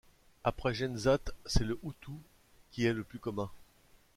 Après Jenzat, c'est le hotu qui est le plus commun.